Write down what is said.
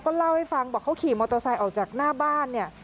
ก็เล่าให้ฟังบอกเขาขี่มอโตซัยออกจากหน้าบ้านเนี้ย